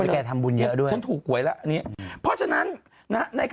สือด้วยขอส่งไป